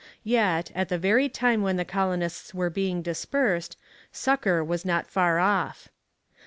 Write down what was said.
Yet, at the very time when the colonists were being dispersed, succour was not far off.